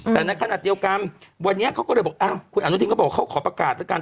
แต่ในขณะเดียวกันวันนี้เขาก็เลยบอกคุณอนุทินก็บอกเขาขอประกาศแล้วกัน